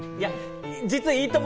実は『いいとも！』